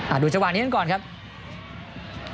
อ่าดูเฉวามงี้เหมือนกันครับ